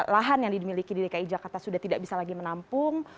lahan yang dimiliki di dki jakarta sudah tidak bisa lagi menampung